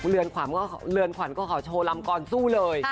เรือนขวันก็หาโชว์ลำก่อนสู้เลย